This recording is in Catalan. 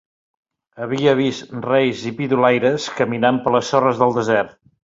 Havia vist reis i pidolaires caminant per les sorres del desert.